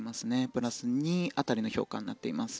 プラス２辺りの評価になっています。